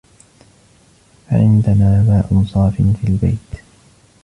فعندنا ماء صافٍ في البيت